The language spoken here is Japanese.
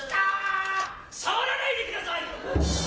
触らないでください！